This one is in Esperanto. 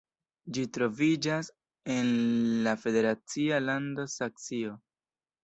Ĝi troviĝas en la la federacia lando Saksio.